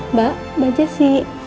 mbak mbak jessy